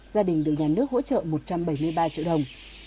gia đình được nhà nước hỗ trợ một trăm bảy mươi ba triệu đồng